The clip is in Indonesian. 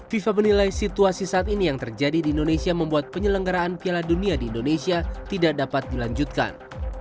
fifa menilai situasi saat ini yang terjadi di indonesia membuat penyelenggaraan piala dunia di indonesia tidak dapat dilanjutkan